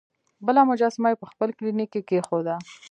بله مجسمه یې په خپل کلینیک کې کیښوده.